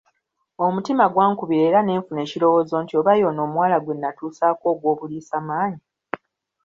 Omutima gwankubira era ne nfuna ekirowoozo nti oba ye ono omuwala gwe nnatuusaako ogw'obuliisamaanyi?